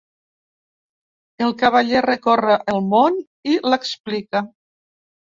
El cavaller recorre el món i l’explica.